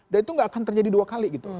dan itu enggak akan terjadi dua kali